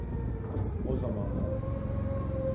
O zamanlar…